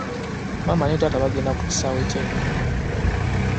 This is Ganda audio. Maama ne taata bagenga ku kisaawe ky'enyonyi.